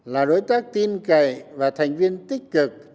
là đối tác tin cậy và thành viên tích cực